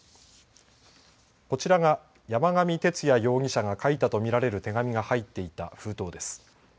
こちらが山上徹也容疑者が書いたとみられる手紙が入っていた封筒です。